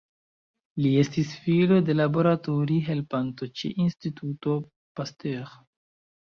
Li estis filo de laboratori-helpanto ĉe Instituto Pasteur.